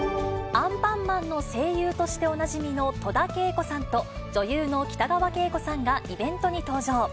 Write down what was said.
アンパンマンの声優としておなじみの戸田恵子さんと、女優の北川景子さんがイベントに登場。